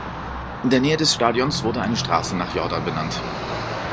In der Nähe des Stadions wurde eine Straße nach Jordan benannt.